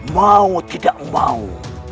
mau tidak mau